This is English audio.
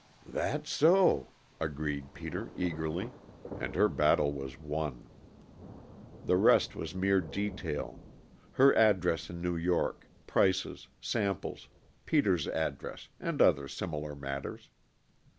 "That's so," agreed Peter eagerly, and her battle was won. The rest was mere detail her address in New York, prices, samples, Peter's address, and other similar matters.